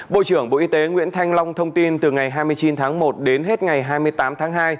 bộ trưởng bộ y tế nguyễn thanh long thông tin từ ngày hai mươi chín tháng một đến hết ngày hai mươi tám tháng hai